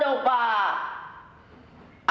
dan bahkan memyardingkan